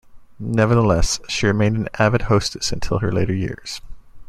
Nevertheless, she remained an avid hostess until her later years.